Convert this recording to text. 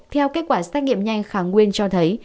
theo kết quả xét nghiệm nhanh khả nguyên cho thấy